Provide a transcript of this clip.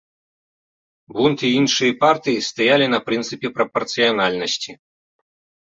Бунд і іншыя партыі стаялі на прынцыпе прапарцыянальнасці.